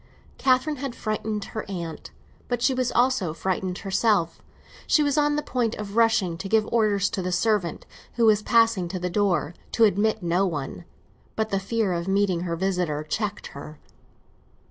Catherine had frightened her aunt, but she was also frightened herself; she was on the point of rushing to give orders to the servant, who was passing to the door, to admit no one; but the fear of meeting her visitor checked her.